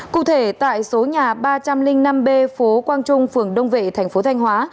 cụ thể tại số nhà ba trăm linh năm b phố quang trung phường đông vệ thành phố thanh hóa